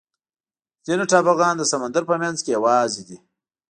ځینې ټاپوګان د سمندر په منځ کې یوازې دي.